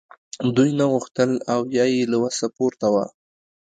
دوی نه غوښتل او یا یې له وسه پورته وه